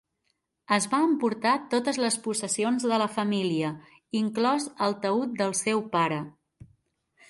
Es va emportar totes les possessions de la família, inclòs el taüt del seu pare.